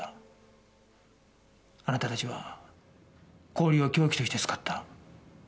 あなたたちは氷を凶器として使った。